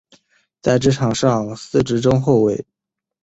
在场上司职中后卫。